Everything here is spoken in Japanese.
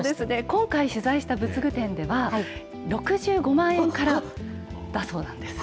今回取材した仏具店では、６５万円からだそうなんです。